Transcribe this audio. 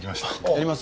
やります。